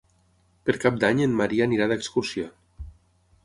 Per Cap d'Any en Maria anirà d'excursió.